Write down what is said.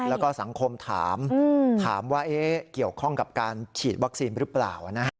แล้วก็สังคมถามถามว่าเกี่ยวข้องกับการฉีดวัคซีนหรือเปล่า